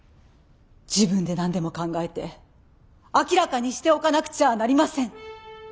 自分で何でも考えて明らかにしておかなくちゃなりません。